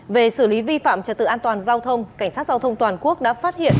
về xử lý vi phạm trật tự an toàn giao thông cảnh sát giao thông toàn quốc đã phát hiện